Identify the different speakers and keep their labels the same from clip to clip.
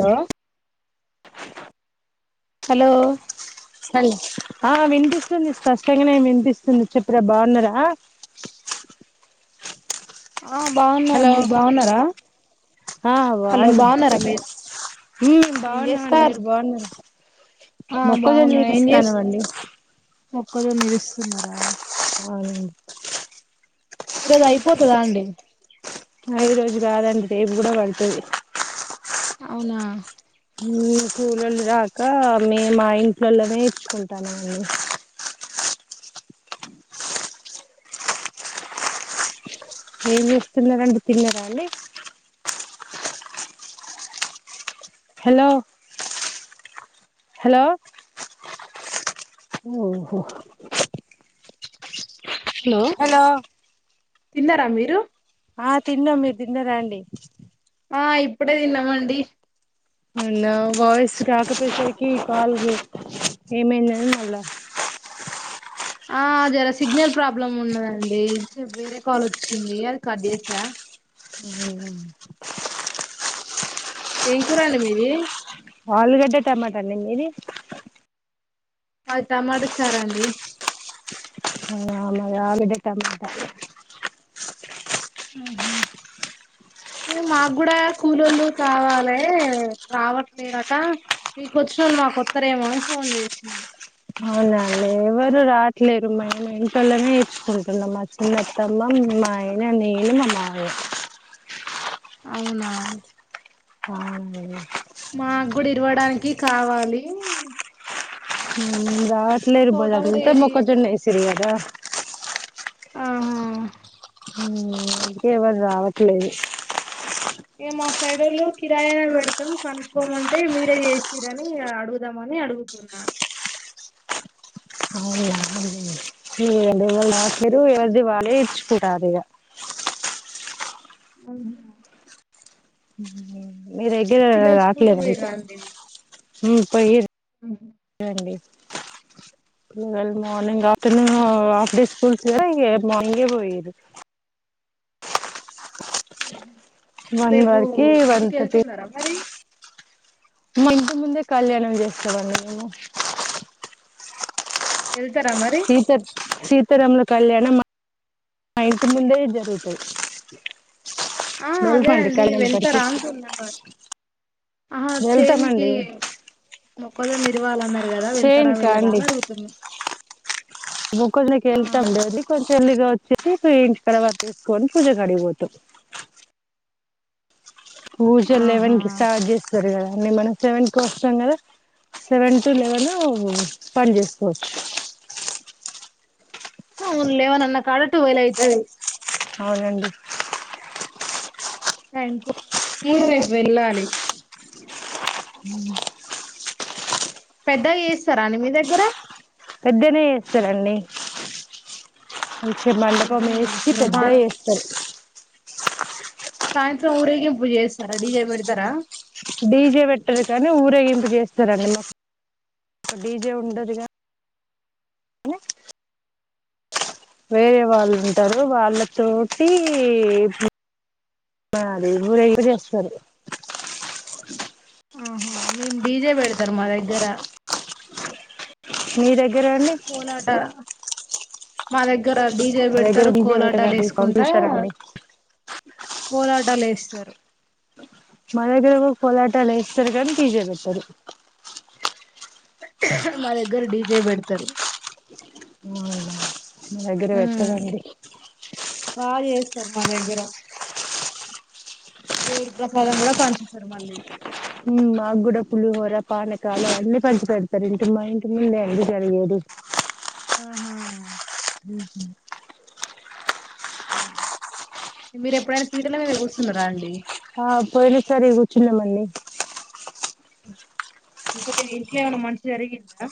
Speaker 1: Hello hello
Speaker 2: చర ఆ వినిపిస్తుంది స్పష్టంగానే వినిపిస్తుంది చెప్పురా బాగున్నారా
Speaker 1: ఆ బాగున్నా
Speaker 2: హలో
Speaker 1: మీరు బాగున్నారా
Speaker 2: ఆ
Speaker 1: హలో
Speaker 2: బాగున్నా
Speaker 1: బాగున్నారా మీరు ఏం
Speaker 2: బాగున్నాండి
Speaker 1: చేస్తారు
Speaker 2: మీరు బాగున్నారు
Speaker 1: ఆ
Speaker 2: మొక్కజొన్న నీరుస్తానమండి
Speaker 1: మొక్కజొనిరుస్తున్నారా
Speaker 2: అవును
Speaker 1: ఈరోజు అయిపోతదా అండి
Speaker 2: ఈ రోజు కాదండి రేపు కూడా పడుతుంది
Speaker 1: అవునా
Speaker 2: కూలోళ్ళు రాక మేము మా ఇంట్లలమే ఇరుచ్చుకుంటానము అండి ఏం చేస్తున్నారూ అండి తిన్నారా అండి హలో హలో ఓహో హలో
Speaker 1: తిన్నారా మీరు
Speaker 2: ఆ తిన్నాం మీరు తిన్నరండి
Speaker 1: ఆ ఇప్పుడే తిన్నామండి
Speaker 2: హలో వయిస్ రాకపోయేసరికి కాల్ ఏమైందా అని మల్ల
Speaker 1: ఆ జర సిగ్నల్ ప్రాబ్లమ్ ఉన్నదండి వేరే కాల్ వచ్చింది అది కట్ చేసా ఏం కురా అండి మీది
Speaker 2: ఆలుగడ్డ టమాట అండి మీది
Speaker 1: మాది టమాటా చారు అండి
Speaker 2: అవున మాది ఆలుగడ్డ టమాట
Speaker 1: ఆహా మాకు కూడా కూలీలు కావాలి రావట్లేదుట మీకు వచ్చినోళ్ళు మా కొత్తరేమో అని ఫోన్ చేసిన
Speaker 2: అవునండి ఎవరు రాట్లేరు మనము ఇంట్లోనే ఇచ్చుకుంటున్నాం మా చిన్నతమ్మ మా ఆయన నేను మా మామయ్య
Speaker 1: అవునా
Speaker 2: ఆ
Speaker 1: ఇడవడానికి కావాలి
Speaker 2: రావట్లేదు
Speaker 1: తోట
Speaker 2: ఇర్బోద్
Speaker 1: కూడా
Speaker 2: అంత
Speaker 1: ఏరి
Speaker 2: మొక్కజొన్న ఇసిరు కాదా
Speaker 1: ఆహా
Speaker 2: ఇంకేవరు రావట్లేదు
Speaker 1: ఇక మా సైడ్ళ్ళు కిరాయినా పెడతాం కనుక్కోమంటే మీరే చేసిరని అడుగుదా మని అని అడుగుతున్నా
Speaker 2: ఇవ్వల ఎవ్వరూ రాట్లేరు ఎవరిది వాళ్ళే ఇచ్చుకుంటరు ఇగ
Speaker 1: అ
Speaker 2: మీ దగ్గర
Speaker 1: పిల్లలు స్కూల్ కు
Speaker 2: రాట్లేద
Speaker 1: పోయిర్రా అండి
Speaker 2: పోయిండిళ మార్నింగ్ మ హాఫ్ డే స్కూల్ ఏ కదా మార్నింగ్ ఆ పోయిరు వన్
Speaker 1: రేపు
Speaker 2: వరకి వన్
Speaker 1: గుడికి
Speaker 2: థర్టీ
Speaker 1: వెళ్తున్నారా మరి
Speaker 2: మా ఇంటిముందే కళ్యాణం చేస్తామండీ మేము
Speaker 1: వెళ్తారా మరి
Speaker 2: సీత సీతారాముల కళ్యాణం మా మా ఇంటి ముందే జరుగుతది
Speaker 1: ఆ అదే
Speaker 2: వెళ్తామండి
Speaker 1: అండి
Speaker 2: కళ్యాణం కాడికి
Speaker 1: వెళ్తారా అంటున్న ఆహా చెన్కి
Speaker 2: వెళ్తామండి
Speaker 1: మొక్కజొన్న విరువళాలన్నారు కదా వెళ్తారా
Speaker 2: చేయండి
Speaker 1: వెళ్తరా అని అడుగుతు
Speaker 2: మొక్కజొన్న కి కెళ్తాము లెండి అది కొంచెం వా వచేసి స ఇంటి కడ కట్టేసుకొని పూజ కాడికి పోతాం పూజాలు లెవెన్ కి
Speaker 1: ఆహా
Speaker 2: స్టార్ట్ చేస్తారు కదా అంటే మనం సెవెన్ కి వస్తాం కదా సెవెన్ టు లెవెన్ పని చేసుకోవచ్చు
Speaker 1: అవునులే లెవెన్ అన కడ టటువల్ అయితది
Speaker 2: అవునండి
Speaker 1: టైం ఏ రేపు వెళ్ళాలి
Speaker 2: ఉ
Speaker 1: పెద్దగా చేస్తారా మీ దగ్గర
Speaker 2: పెద్దనే చేస్తారండి మంచిగా మండపం
Speaker 1: పెద్దనే
Speaker 2: వేసి
Speaker 1: చేస్తారా మా
Speaker 2: పెద్దగా చేస్తారు.
Speaker 1: సాయంత్రం ఊరేగింపు చేస్తారా డిజే పెడతారా
Speaker 2: డీజే పెట్టరు కానీ ఊరేగింపు చేస్తారండి మాకు డీజే ఉండదుగా ఏ వేరే వాళ్ళు ఉంటారు వాళ్ళతోటి అ అదే ఊరేరి చేస్తారు
Speaker 1: ఆహా మేము డీజే పెడతారు మా దగ్గర
Speaker 2: మీ దగ్గర అండి
Speaker 1: కోలాట మా దగ్గర దగ్గర డీజే
Speaker 2: మా దగ్గర
Speaker 1: పెడతారు
Speaker 2: డీజే
Speaker 1: కోలాటాలు
Speaker 2: పెట్టరండి సౌండ్
Speaker 1: వేసుకుంటా
Speaker 2: చూస్తారండి
Speaker 1: కోలాటాలు వే స్తారు
Speaker 2: మా దగ్గర కూడా కోలాటలు వేస్తారు గాని డీజే బెట్టారు
Speaker 1: మా దగ్గర డీజే బెడతారు
Speaker 2: అ మా దగ్గర
Speaker 1: ఉమ్
Speaker 2: వెట్టారండి
Speaker 1: అసలు దగ్గర దేవుడు ప్రసాదం కూడా పంచుతారు మళ్ళీ
Speaker 2: మాగుడ పులిహోర పానకాలు అన్నీ పంచి పెడతారు ఇంటి మా ఇంటి ముందే అండి జరిగేది
Speaker 1: ఆహా
Speaker 2: ఉహు
Speaker 1: ఆ మీరు ఎప్పుడైనా పీటల మీద కూస్తున్నారా అండి
Speaker 2: ఆ పోయిన సారి కూర్చున్నాం అండి
Speaker 1: ఇక ఇంట్లో ఏమైనా మంచి జరిగిందా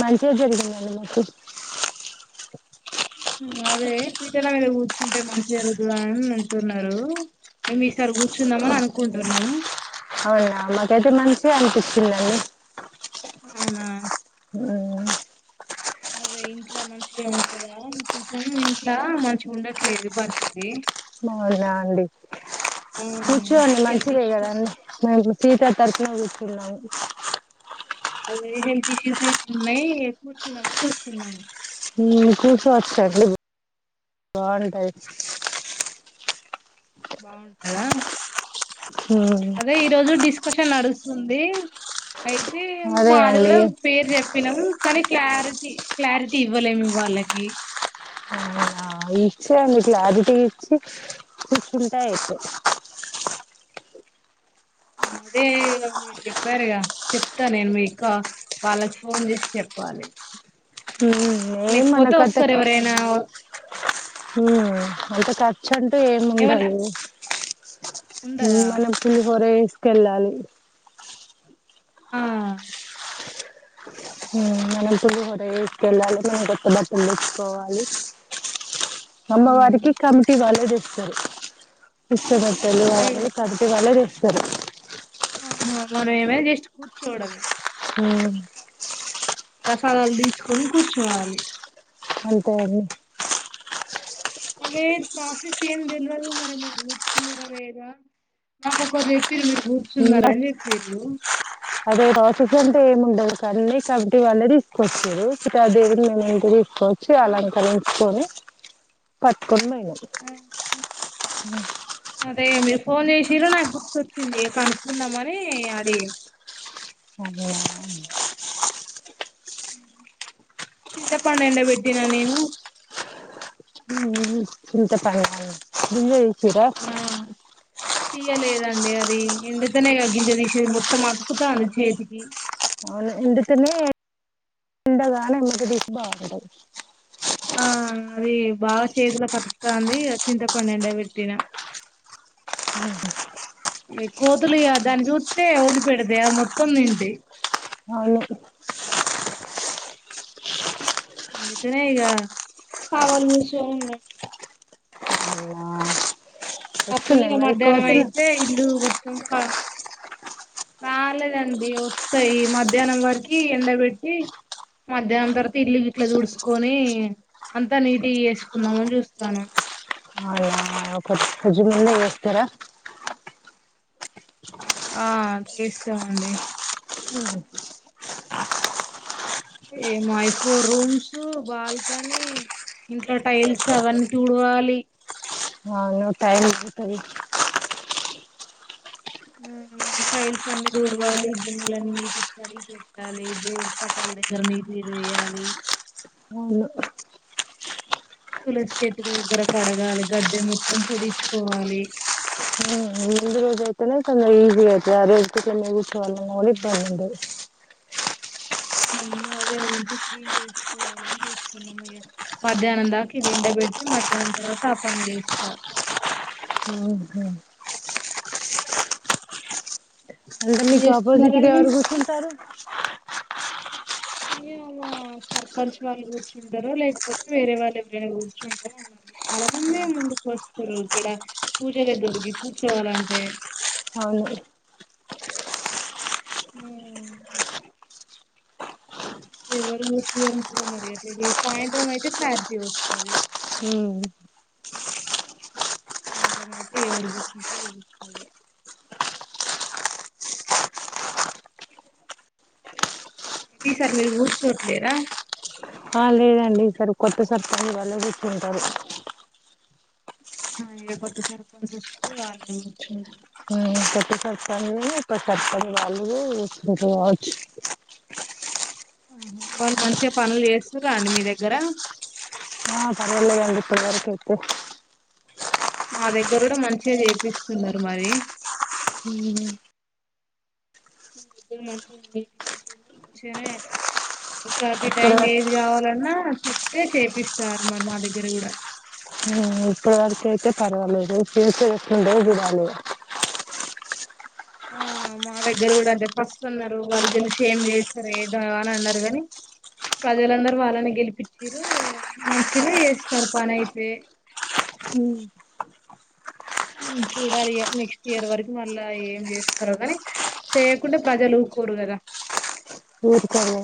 Speaker 2: మంచిగా జరిగిందండి మాకు
Speaker 1: అదే పీఠల మీద కూర్చుంటే మంచి జరుగుతదా అని అంటున్నారు మేమ్ ఈసారి కూర్చున్నామని అనుకుంటున్నాము
Speaker 2: అవునా మకైతే మంచిగా అనిపిస్తుదండి
Speaker 1: అవునా
Speaker 2: అవునా
Speaker 1: రోజు ఇంట్లా మంచిగే ఉంటంవ ఇంట్లా మంచిగా ఉండట్లేదు పరిస్థితి
Speaker 2: మా ఊరండి
Speaker 1: ఆ
Speaker 2: కూర్చోండి
Speaker 1: హెల్త్
Speaker 2: మంచిదే కదా
Speaker 1: ఇష్యూస్
Speaker 2: [unintelligible] సీత తరుపున పలాం
Speaker 1: అద హెల్త్ ఇష్యూస్ ఎట్లు ఉన్నాయి కూర్చున్నాామని చూస్తున్నాము
Speaker 2: చూసు వచ్చట్డి బాగుంటాయి
Speaker 1: బాగుంటాలా
Speaker 2: మ్మ్
Speaker 1: అదే ఈరోోజు డిస్క్ సం నడుస్తుంది అయితే
Speaker 2: అదే
Speaker 1: మాది
Speaker 2: అండి
Speaker 1: కూడా పేరు చెప్పినాము కానీ క్లారిటీ క్లారిటీ ఇవ్వలేమి వాళ్ళకి
Speaker 2: ఇచ్చే అడి క్లారిటీ ఇచ్చి చూసుంటాతే
Speaker 1: అదే మీరు చెప్పారుగా చెప్తా నేను మీకా వాళ్ళకి ఫోన్ చేసి చెప్ పాలి
Speaker 2: నే మన కత
Speaker 1: వస్తారు ఎవరైనా
Speaker 2: అంత కా చ్చ అంటూ ఏమి
Speaker 1: ఏమన్నా
Speaker 2: ఉండదు
Speaker 1: ఉండదా
Speaker 2: మనం పులి పరే కెళ్ళాలి
Speaker 1: ఆ
Speaker 2: మనం చు హోరసుకెళ్ళాలి మనం కొత్త బట్టలు నచుకోవాలి
Speaker 1: ఆ
Speaker 2: అమ్మ వారికి కమిటీ వాళదస్తస్తారు ఇష్టపట్టలు
Speaker 1: అయి
Speaker 2: అ పదితే వలరి ఇష్టత
Speaker 1: హ మనం ఏమ జస్ట్ కూర్చోఓడమే
Speaker 2: హ
Speaker 1: ప్రసాదాలు తీసుకొని కూర్చోవాలి
Speaker 2: అంతే అడి
Speaker 1: అదే ప్రాసెస్ ఏం తెలియదు మరి మీరు కూర్స్తున్నారా లేదా నాకొక్కరు చె మీరు మీరు కూర్చున్నారా అని చె మీరు
Speaker 2: అదే ప్రోసెస్ అంటే ఏమి ఉండదు కానీ కాబట్టి వాళ్ళే తీసుకొచ్చారు ఇక అ దే మేము ఇం వచ్చి
Speaker 1: ఆ,
Speaker 2: అలంకరించుకొని ప కొన్మైన
Speaker 1: ఆ, అదే మీరు ఫోన్ చేసిర నాకు గుర్తుొచ్చింది కనుకుందామని అడి
Speaker 2: అఓ
Speaker 1: చింతపడు ఎండ పెడతనా నేను
Speaker 2: చింత ప బచ్చర
Speaker 1: ఆ తీయలేదండి అది ఎంతనే తగ్గించదిసేది మొత్తం అతుకుతాను చేతికి
Speaker 2: అవును ఎందు తన్న ఉండగాన ఎమ్మ దభ
Speaker 1: ఆ అది బాగా చేతులో కతుకుతాంది చింతపం అండివి పెట్టిన
Speaker 2: ఆ
Speaker 1: కోతులు దాని చూస్తే వదిలిపెడితయా మొత్తం తింటయి
Speaker 2: అవును
Speaker 1: అందుకనే ఇగా కావలికూసోన్న
Speaker 2: అవునా
Speaker 1: అట్లా
Speaker 2: వస్తున్నాయి
Speaker 1: నేను
Speaker 2: మరి ఎక్కువ
Speaker 1: మధ్యాహ్నం
Speaker 2: వస్తున్నాయి
Speaker 1: అయితే ఇల్లు మొత్తం రాలేదండి వస్తాయి మధ్యాహ్నం వరకి ఎండబెట్టి మధ్యాహ్నం తర్వాత ఇల్లు గిట్లా తుడుసుకొని అంతా నీట్ గా చేసుకుందామని చూస్తానం
Speaker 2: [unintelligible] చేస్తారా
Speaker 1: ఆ చేస్తామండి
Speaker 2: హుహు
Speaker 1: ఏ మై ఫోర్ రూమ్స్ బాల్కనీ ఇంట్లో టైల్స్ అవన్నీ తోడువా వాలి
Speaker 2: అవును టైం [unintelligible]
Speaker 1: ఆ టైల్స్ అన్ని తూడువాలి గిన్నెలన్నీ నీటిగా కడిగి పెట్టాలి దేవుడి పటాలు దగ్గర నీటిగా చేయాలి
Speaker 2: అవును
Speaker 1: తులసి చెట్టు దగ్గర కడగాలి గద్దెను పుదిచ్చుకోవాలి
Speaker 2: ఉ రోజు అయితేనే కొంచెం ఈజీగా అయితది అదే రోజు చేసుకోవాలన్న ఇబ్బంది అయితది
Speaker 1: అదే ఏమన్నా ఉంటే క్లీన్ చేసుకోవాలని చూస్తున్నాం ఇగ మధ్యాహ్నం దాక ఇది ఎండ బెట్టి మధ్యాహ్నం తర్వాత ఆ పని చేస్తా
Speaker 2: ఆహా
Speaker 1: ఏం
Speaker 2: నీకు ఆపోజిట్గా
Speaker 1: చేస్తున్నారండి
Speaker 2: ఎవరు కూర్చుంటారు
Speaker 1: ఏమో సర్పంచ్ వాళ్ళు కూర్చుంటారో లేకపోతే వేరే వాళ్ళు ఎవరైనా కూర్చుంటారో అన్నారు చాలా మంది ముందుకు వస్తారు ఇక్కడ పూజ దగ్గరికి కూర్చోవాలంటే
Speaker 2: అవును
Speaker 1: ఉ ఎవరు కూర్చుంటారో మరి సాయంత్రం అయితే ప్యాత్రీ వస్తది
Speaker 2: ఉమ్
Speaker 1: సాయంత్రం అయితే ఎవరు కూర్చుంటారో తెలియదు ఈసారి మీరు కూర్చోవట్లేరా
Speaker 2: ఆ లేదండి ఈ సారి కొత్త సర్పంచ్ వాళ్లే కూర్చుంటారు
Speaker 1: ఏ కొత్త సర్పంచ్ వస్తే వాళ్ళే కూర్చుం
Speaker 2: కొత్త సర్పంచు ఉపసర్పంచ్ వాళ్ళు కూర్చుంటారు కావచ్చు
Speaker 1: వాళ్ళు మంచిగా పనులు చేస్తుర్రా అండి మీ దగ్గర
Speaker 2: ఆ పర్వలేదు అండి ఇప్పటివరకు అయితే
Speaker 1: మా దగ్గర కూడా మంచిగా చేపిస్తున్నారు మరి
Speaker 2: ఉమ్
Speaker 1: ఇద్దరు మంచిగా మంచిగానే ప్రతి
Speaker 2: ఇప్పటి
Speaker 1: టైం
Speaker 2: వరకు
Speaker 1: ఏది కావాలన్నా చెప్తే చేపిస్తారు మరి మా దగ్గర కూడా
Speaker 2: ఇప్పటివరకు అయితే పర్వాలేదు చేసేది ఎట్లుంటదో చూడాలి ఇగ
Speaker 1: ఆ మా దగ్గర కూడా అంతే ఫస్ట్ ఉన్నారు వాళ్లు గెలిసి ఏం చేస్తారు ఏదో అని అన్నారు కాని ప్రజలందరు వాళ్ళనీ గెలిపించిర్రు మచిగానే చేస్తారు పని అయితే
Speaker 2: ఉమ్
Speaker 1: చూడాలి నెక్స్ట్ ఇయర్ వరకు మళ్ళా ఏం చేస్తారో కాని చెయ్యకుంటే ప్రజలు ఊకోరు కదా
Speaker 2: ఊరు కోరె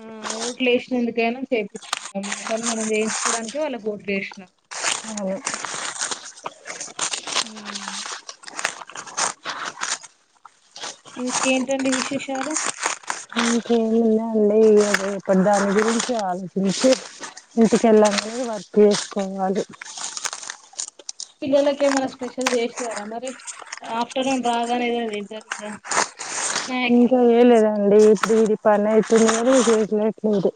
Speaker 1: మ్ ఓట్లు ఏశ్నందుకైనా చేయించుకోవాలె పని మనం చేయించుకోవడానికి వాళ్ళకి ఓట్లు ఏశినం
Speaker 2: అవును
Speaker 1: మ్ ఇంకేంటండి విశేషాలు
Speaker 2: ఇంకేం లేదండి ఇగ రేపట్దాన్ గురుంచె ఆలోచించి ఇంటికి ఏల్లి వర్క్ చేస్కోవలి
Speaker 1: పిల్లలకెమైనా స్పెషల్ చేసారా మరి ఆఫ్టర్నూన్ రాగానే ఏదైనా తింటారు కదా స్నాక్స్
Speaker 2: ఇంకా ఎయలేదండి ఇద్ ఇది పనయితున్నది లే ఇర్లేట్లేదు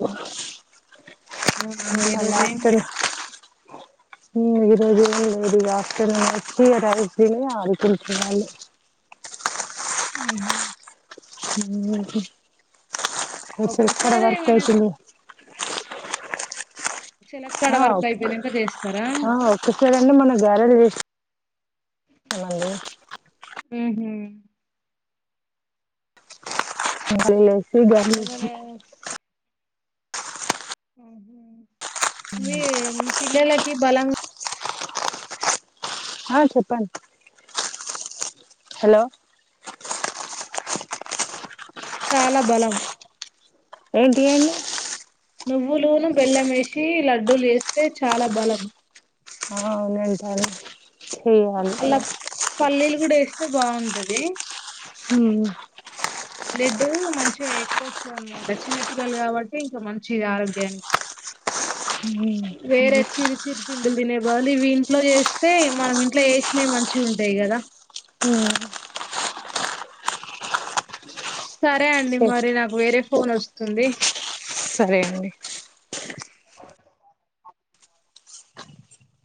Speaker 1: అవునా ఈరోజ్ ఏం లే అ [inaudible]
Speaker 2: మ్ ఇరోజు లీవ్ లేదిగ ఆఫ్టర్నూన్ ఒచ్చి [unintelligible]
Speaker 1: మ్హ్
Speaker 2: ఇ చెక్కర
Speaker 1: ఒక్కసారి ఏమైనా
Speaker 2: కలిపేసి
Speaker 1: చిలక్కడ
Speaker 2: ఆ
Speaker 1: వర్క్
Speaker 2: ఒక్
Speaker 1: అయిపోయినాక చేస్తారా
Speaker 2: ఆ ఒక్కసైడ్ అండి మన గ్యారెల్ జేశ్
Speaker 1: మ్హ్
Speaker 2: లేసి గనెసి
Speaker 1: ఏమన్నా ఆహ మీ పిల్లలాకి బలంగ
Speaker 2: ఆ చెప్పండి హలో
Speaker 1: చాలా బలం
Speaker 2: ఏంటియండి
Speaker 1: నువ్వులును బెల్లమేసి లడ్డూలూయేస్తే చాలా బలం
Speaker 2: [unintelligible] సియాళి
Speaker 1: అలా పల్లీలు గూడేస్తే బాఉంటది
Speaker 2: మ్
Speaker 1: బ్లడ్ మంచిగా ఎక్కువ ఒస్తదన్మాట చిన్న పిల్లలు కాబట్టి ఇంక మంచిది ఆరోగ్యానికి
Speaker 2: ఉం
Speaker 1: వేరే చిరు చిరు పిండులు తినే బదులు ఇవి ఇంట్లో ఏస్తే మనం ఇంట్లో ఏసినవి మంచిగుంటయి గదా సరే అండి మరి నాకు వేరే ఫోన్ ఒస్తుంది
Speaker 2: సరే అండి